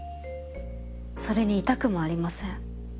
それに痛くもありません。